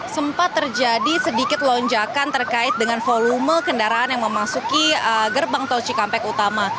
sempat terjadi sedikit lonjakan terkait dengan volume kendaraan yang memasuki gerbang tol cikampek utama